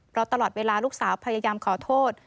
เพราะตลอดเวลาลูกสาวพยายามขอโทษ